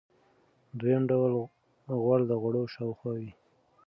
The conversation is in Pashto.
دویم ډول غوړ د غړو شاوخوا وي.